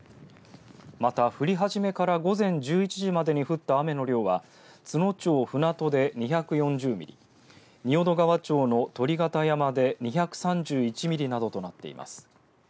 また、降り始めから午前１１時までに降った雨の量は津野町船戸で２４０ミリ仁淀川町の鳥形山で２３１ミリなどとなっています。